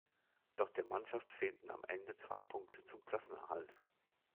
Doch der Mannschaft fehlten am Ende zwei Punkte zum Klassenerhalt.